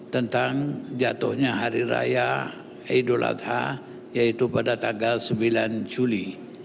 tentang jatuhnya hari raya idul adha yaitu pada tanggal sembilan juli